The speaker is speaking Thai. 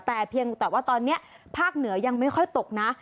แต่เพียงแต่ว่าตอนนี้ภาคเหนือยังไม่ค่อยตกนะ